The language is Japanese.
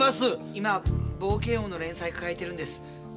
今「冒険王」の連載抱えてるんです。